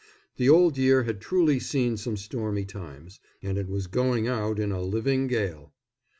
The Old Year had truly seen some stormy times, and it was going out in a living gale.